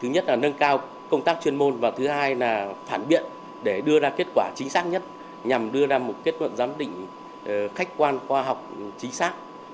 nhằm đưa ra một kết luận giám định khách quan khoa học trí sát